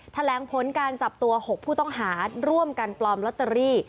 แถลงผลการจับตัว๖ผู้ต้องหาร่วมกันปลอมลอตเตอรี่